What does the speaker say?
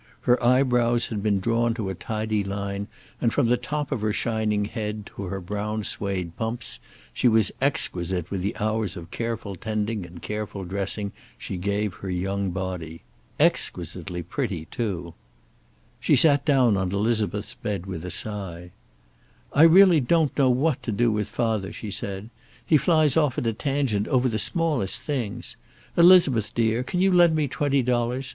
Her eyebrows had been drawn to a tidy line, and from the top of her shining head to her brown suede pumps she was exquisite with the hours of careful tending and careful dressing she gave her young body. Exquisitely pretty, too. She sat down on Elizabeth's bed with a sigh. "I really don't know what to do with father," she said. "He flies off at a tangent over the smallest things. Elizabeth dear, can you lend me twenty dollars?